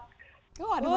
oh ada martabak juga